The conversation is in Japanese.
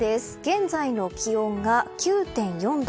現在の気温が９．４度。